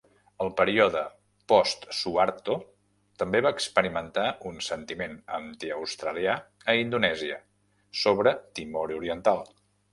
El període post-Suharto també va experimentar un sentiment antiaustralià a Indonèsia sobre Timor Oriental.